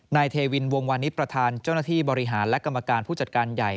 นายเทวินวงวานิสประธานเจ้าหน้าที่บริหารและกรรมการผู้จัดการใหญ่